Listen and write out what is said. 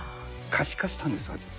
可視化したんですよ。